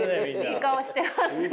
いい顔してますね。